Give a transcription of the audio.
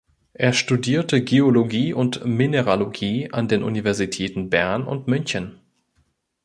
Er studierte Geologie und Mineralogie an den Universitäten Bern und München.